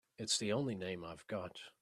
It's the only name I've got.